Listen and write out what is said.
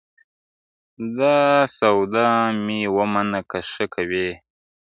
دا سودا مي ومنه که ښه کوې.